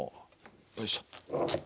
よいしょ。